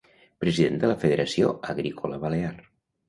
President de la Federació Agrícola Balear.